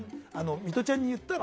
ミトちゃんに言ったの。